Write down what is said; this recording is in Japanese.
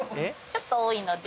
ちょっと多い？